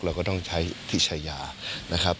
เราก็ต้องใช้ที่ชายานะครับ